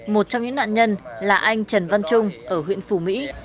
một trong những nạn nhân là anh trần văn trung ở huyện phù mỹ